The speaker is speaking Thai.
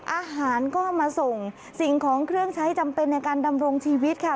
อาหารก็มาส่งสิ่งของเครื่องใช้จำเป็นในการดำรงชีวิตค่ะ